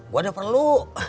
gue udah perlu